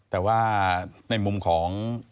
แต่ว่าในมุมของ